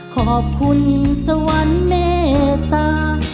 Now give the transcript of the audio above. ขอบคุณสวรรค์เมตตา